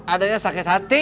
adanya sakit hati